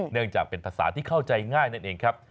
เนื่องจากเป็นภาษาที่เข้าใจง่ายนั่นเองครับ